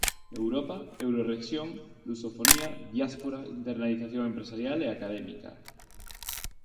Europa, Eurorrexión, Lusofonía, Diáspora, internacionalización empresarial e académica...